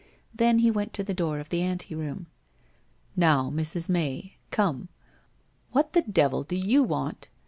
Then he went to the door of the anteroom. * Xow, Mrs. May — come. What the devil do you want?'